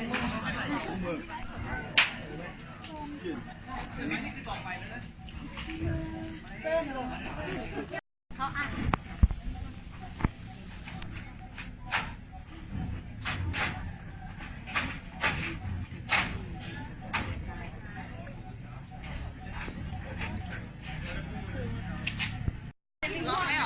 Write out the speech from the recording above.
โปรดติดตามตอนต่อไป